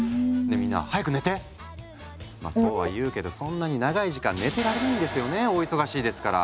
みんなまあそうは言うけどそんなに長い時間寝てられないんですよねお忙しいですから。